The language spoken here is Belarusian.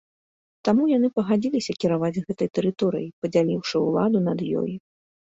Таму яны пагадзіліся кіраваць гэтай тэрыторыяй, падзяліўшы ўладу над ёй.